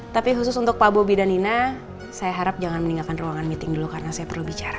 tapi khusus untuk pak bobby dan nina saya harap jangan meninggalkan ruangan meeting dulu karena saya perlu bicara